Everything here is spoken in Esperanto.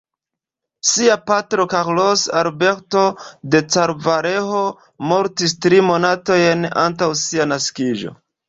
Ŝia patro Carlos Alberto de Carvalho mortis tri monatojn antaŭ ŝia naskiĝo.